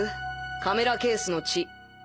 カメラケースの血。